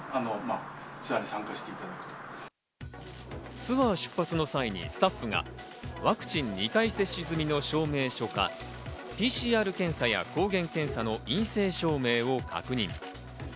ツアー出発の際にスタッフがワクチン２回接種済みの証明書かＰＣＲ検査や抗原検査の陰性証明を確認。